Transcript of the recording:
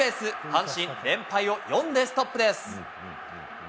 阪神、連敗を４でストップです。